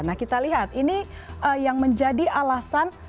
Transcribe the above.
nah kita lihat ini yang menjadi alasan